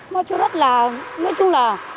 nói chú rất là nói chung là